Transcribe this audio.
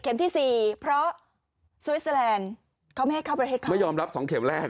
เขาไม่ให้เข้าบริเทศเข้าไปไม่ยอมรับสองเข็มแรก